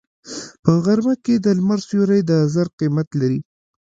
په غرمه کې د لمر سیوری د زر قیمت لري